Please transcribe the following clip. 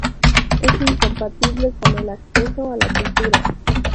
es incompatible con el acceso a la cultura